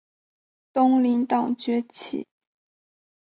阉党及东林党崛起。